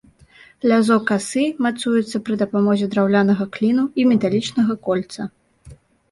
Лязо касы мацуецца пры дапамозе драўлянага кліну і металічнага кольца.